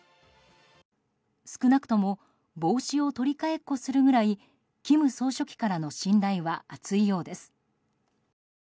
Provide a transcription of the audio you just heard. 少なくとも帽子を取り換えっこするぐらい金総書記からの信頼は厚いようです。